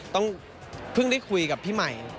เพิ่งได้คุยกับพี่ใหม่